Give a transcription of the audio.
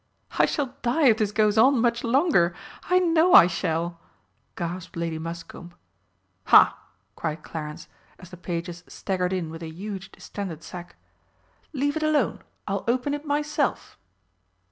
"I shall die if this goes on much longer! I know I shall!" gasped Lady Muscombe. "Ha!" cried Clarence, as the pages staggered in with a huge distended sack. "Leave it alone, I'll open it myself."